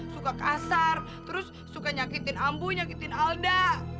suka kasar terus suka nyakitin ambu nyakitin alda